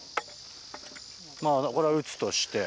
まぁこれは打つとして。